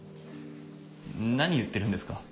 何言ってるんですか？